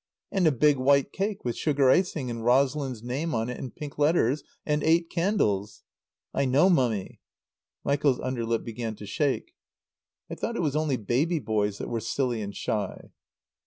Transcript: "And a Big White Cake with sugar icing and Rosalind's name on it in pink letters, and eight candles " "I know, Mummy." Michael's under lip began to shake. "I thought it was only little baby boys that were silly and shy."